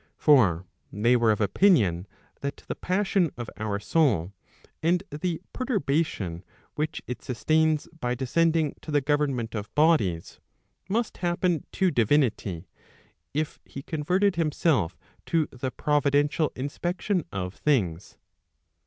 For they were of opinion that the passion of our soul and the perturbation which h sustains by descending to the government of bodies, must happen to divinity, if he converted himself to the providential inspection of things.